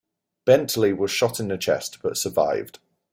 Bentley was shot in the chest, but survived.